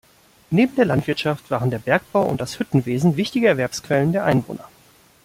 Neben der Landwirtschaft waren der Bergbau und das Hüttenwesen wichtige Erwerbsquellen der Einwohner.